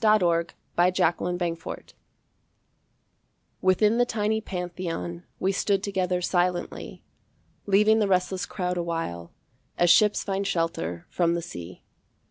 In the Metropolitan Museum Within the tiny Pantheon We stood together silently, Leaving the restless crowd awhile As ships find shelter from the sea.